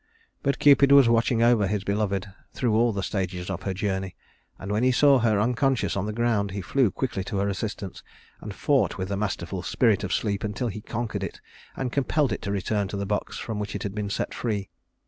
But Cupid was watching over his beloved through all the stages of her journey; and when he saw her unconscious on the ground, he flew quickly to her assistance, and fought with the masterful Spirit of Sleep until he conquered it, and compelled it to return to the box from which it had been set free.